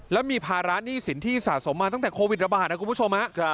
แล้วมีภาระหนี้สินที่สะสมมาตั้งแต่โควิดระบาดนะคุณผู้ชม